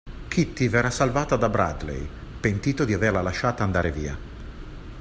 Kitty verrà salvata da Bradley, pentito di averla lasciata andare via.